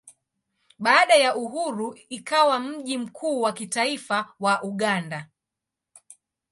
Baada ya uhuru ikawa mji mkuu wa kitaifa wa Uganda.